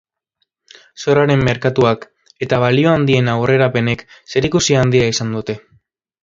Zorraren merkatuak eta balio handien aurrerapenek zerikusi handia izan dute.